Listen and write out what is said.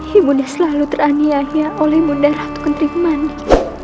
ibu muda selalu teraniahnya oleh muda ratu kentri mani